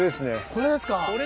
これですか。